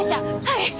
はい！